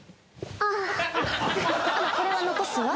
ああこれは残すわ。